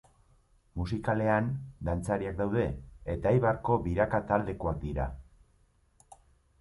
Musikalean dantzariak daude, eta Eibarko Biraka taldekoak dira.